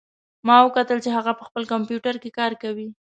ما وکتل چې هغه په خپل کمپیوټر کې کار کوي